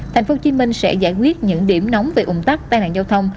thành phố hồ chí minh sẽ giải quyết những điểm nóng về ủng tắc tai nạn giao thông